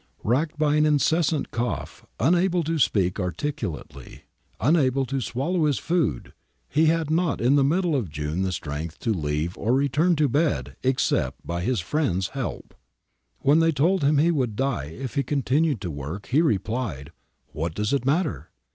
Racked by an incessant cough, un able to speak articulately, unable to swallow his food, he had not in the middle of June the strength to leave or return to bed except by his friends' help ; when they told him he would die if he continued to work, he replied, ' What does it matter